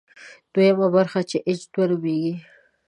دویمه برخه چې اېچ دوه نومېږي.